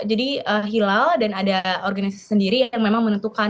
jadi hilal dan ada organisasi sendiri yang memang menentukan